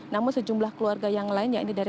namun sejumlah keluarga yang lain ya ini dari